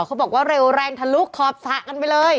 เขาบอกว่าเร็วแรงทะลุขอบสระกันไปเลย